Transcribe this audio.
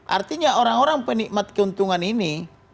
artinya orang orang penikmat keuntungan ini